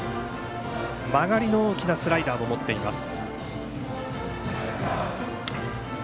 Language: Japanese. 曲がりの大きなスライダーも持っています。